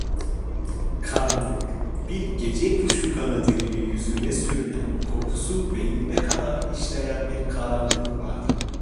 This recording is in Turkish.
Karanlık, bir gecekuşu kanadı gibi yüzüme sürünen, kokusu beynime kadar işleyen bir karanlık vardı.